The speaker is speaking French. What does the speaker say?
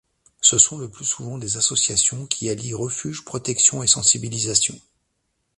Ce sont le plus souvent des associations, qui allient refuge, protection et sensibilisation.